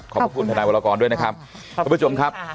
ขอบคุณฐาวรกรด้วยนะครับ